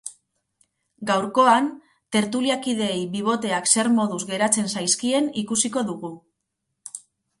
Gaurkoan, tertuliakideei biboteak zer moduz geratzen zaizkien ikusiko dugu!